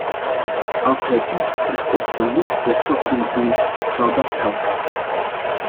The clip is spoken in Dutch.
Als hij dit er op zijn minst bij zou kunnen doen, zou dat helpen.